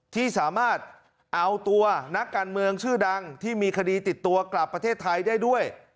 ที่สามารถเอาตัวนักการเมืองชื่อดังที่มีคดีติดตัวกลับประเทศไทยได้ด้วย